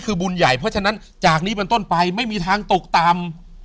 คือบุญใหญ่เพราะฉะนั้นจากนี้เป็นต้นไปไม่มีทางตกต่ำ